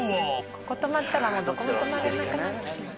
ここ泊まったらもうどこも泊まれなくなってしまう。